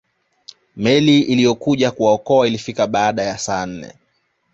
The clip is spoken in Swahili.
Meli iliyokuja kuwaokoa ilifika baada ya saa nne